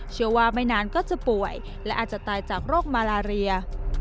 เชื่อว่าไม่นานก็จะป่วยและอาจจะตายจากโรคมาลาเรีย